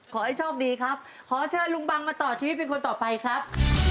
ขอให้โชคดีครับขอเชิญลุงบังมาต่อชีวิตเป็นคนต่อไปครับ